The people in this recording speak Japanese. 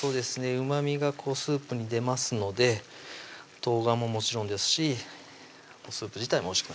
うまみがスープに出ますので冬瓜ももちろんですしスープ自体もおいしくなります